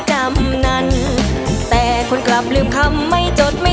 แชมป์สายนี้มันก็น่าจะไม่ไกลมือเราสักเท่าไหร่ค่ะ